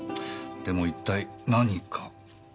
でも一体何か？